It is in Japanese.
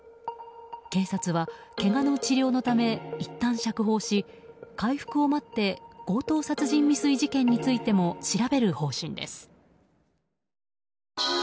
警察は、けがの治療のためいったん釈放し回復を待って強盗殺人未遂事件についても調べる方針です。